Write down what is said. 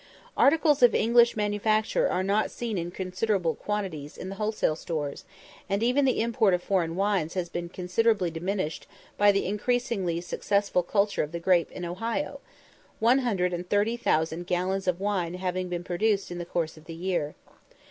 Articles of English manufacture are not seen in considerable quantities in the wholesale stores, and even the import of foreign wines has been considerably diminished by the increasingly successful culture of the grape in Ohio, 130,000 gallons of wine having been produced in the course of the year.